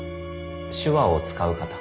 手話を使う方。